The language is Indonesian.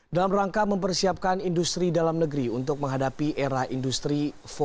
dalam rangka mempersiapkan industri dalam negeri untuk menghadapi era industri empat